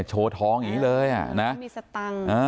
โชว์ทองอย่างนี้เลย